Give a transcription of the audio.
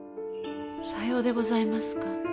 さようでございますか。